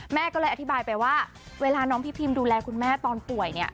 แม่ก็เลยอธิบายไปว่าเวลาน้องพี่พิมดูแลคุณแม่ตอนป่วยเนี่ย